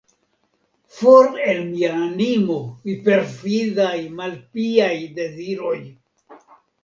For el mia animo, vi perfidaj, malpiaj, deziroj!